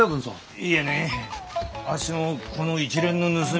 いやねあっしもこの一連の盗み